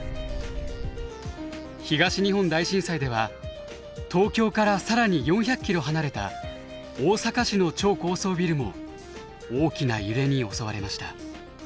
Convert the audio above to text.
東日本大震災では東京から更に４００キロ離れた大阪市の超高層ビルも大きな揺れに襲われました。